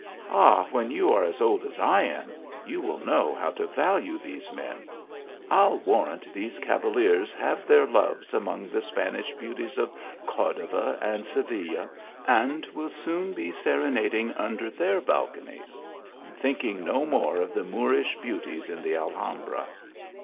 Ah, when you are as old as I am, you will know how to value these men. I ll warrant these cavaliers have their loves among the Spanish beauties of Cordova and Seville, and will soon be serenading under their balconies, and think ing no more of the Moorish beauties in he Alham bra.